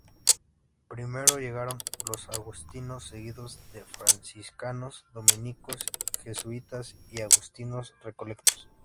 Primero llegaron los agustinos, seguidos de franciscanos, dominicos, jesuitas y agustinos recoletos.